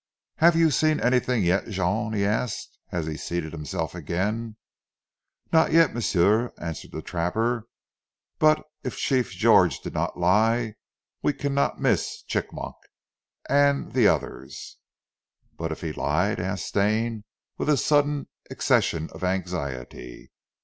"Have you seen anything yet, Jean?" he asked as he seated himself again. "Not yet, m'sieu," answered the trapper. "But eef Chief George did not lie we cannot miss Chigmok an zee oders." "But if he lied?" asked Stane with a sudden accession of anxiety.